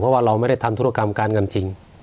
เพราะว่าเราไม่ได้ทำธุรกรรมการเงินจริง